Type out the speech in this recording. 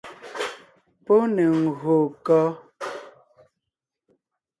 Pɔ́ ne ngÿô kɔ́?